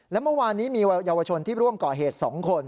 และเมื่อวานนี้มีเยาวชนที่ร่วมก่อเหตุ๒คน